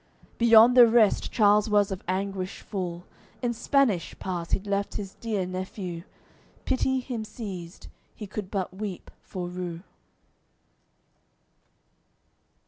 Beyond the rest Charles was of anguish full, In Spanish Pass he'd left his dear nephew; Pity him seized; he could but weep for rue.